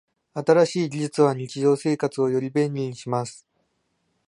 新しい技術は日常生活をより便利にします。